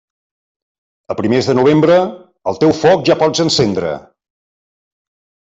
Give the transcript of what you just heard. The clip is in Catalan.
A primers de novembre, el teu foc ja pots encendre.